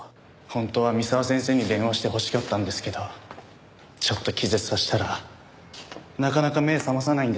本当は三沢先生に電話してほしかったんですけどちょっと気絶させたらなかなか目覚まさないんですよ。